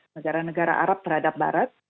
negara negara arab terhadap barat